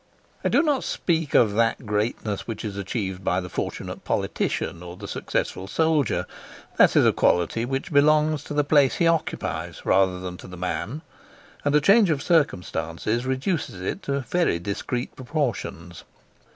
I do not speak of that greatness which is achieved by the fortunate politician or the successful soldier; that is a quality which belongs to the place he occupies rather than to the man; and a change of circumstances reduces it to very discreet proportions.